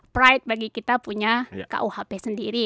pride bagi kita punya kuhp sendiri